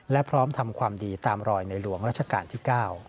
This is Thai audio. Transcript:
และพร้อมทำความดีตามรอยในหลวงราชการที่๙